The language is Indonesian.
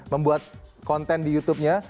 membuat konten di youtubenya